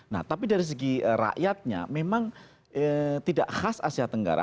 nah tapi dari segi rakyatnya memang tidak khas asia tenggara